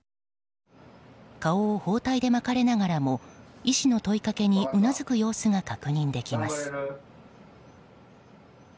顔を包帯で巻かれながらも医師の問いかけにうなずく様子が確認できます。